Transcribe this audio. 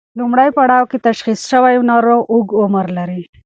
لومړی پړاو کې تشخیص شوی ناروغ اوږد عمر لري.